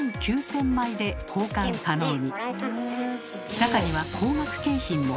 中には高額景品も。